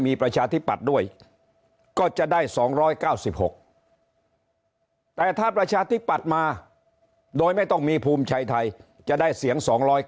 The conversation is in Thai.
มีประชาธิปัตย์ด้วยก็จะได้๒๙๖แต่ถ้าประชาธิปัตย์มาโดยไม่ต้องมีภูมิใจไทยจะได้เสียง๒๙